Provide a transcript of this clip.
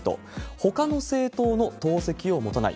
ほかの政党の党籍を持たない。